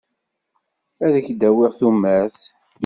Ad ak-d-awiɣ tumert.